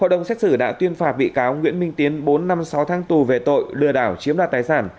hội đồng xét xử đã tuyên phạt bị cáo nguyễn minh tiến bốn năm sáu tháng tù về tội lừa đảo chiếm đoạt tài sản